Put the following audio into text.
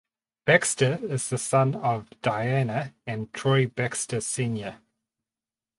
Baxter is the son of Dianna and Troy Baxter Sr.